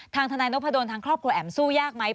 ทนายนพดลทางครอบครัวแอ๋มสู้ยากไหม